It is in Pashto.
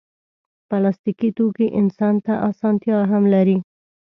پلاستيکي توکي انسان ته اسانتیا هم لري.